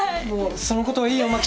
もうそのことはいいよ。